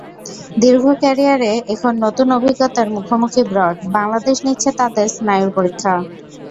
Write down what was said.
দীর্ঘ ক্যারিয়ারে এখন নতুন অভিজ্ঞতার মুখোমুখি ব্রড—বাংলাদেশ নিচ্ছে তাঁদের স্নায়ুর পরীক্ষা।